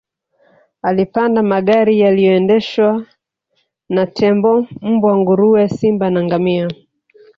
Alipanda magari yaliyoendeshwa na tembo mbwa nguruwe simba na ngamia